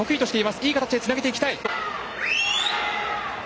いい形でつなげていきたい。